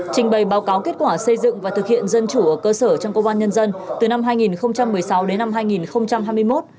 trình bày báo cáo kết quả xây dựng và thực hiện dân chủ ở cơ sở trong công an nhân dân từ năm hai nghìn một mươi sáu đến năm hai nghìn hai mươi một